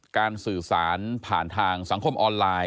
สื่อสารผ่านทางสังคมออนไลน์